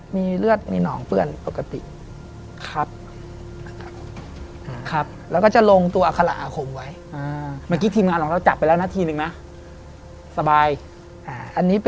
มีเลือดมีหนองเปื้อนปกติครับ